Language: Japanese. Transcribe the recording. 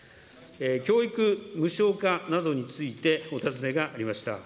教育無償化などについてお尋ねがありました。